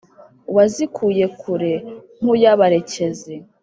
wazikuye kure nkuyabarekezi,